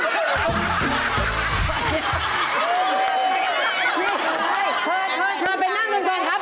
เชิญเชิญไปนั่งคืนครับ